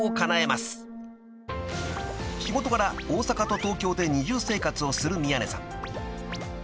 ［仕事柄大阪と東京で二重生活をする宮根さん］